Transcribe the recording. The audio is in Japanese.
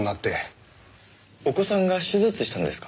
お子さんが手術したんですか？